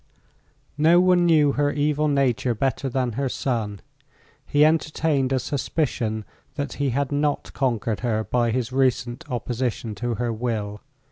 No one knew her evil nature better than her son. He entertained a suspicion that he had not conquered her by his recent opposition to her will.